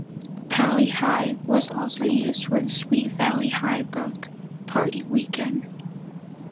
Pali High was also used for the Sweet Valley High book, "Party Weekend".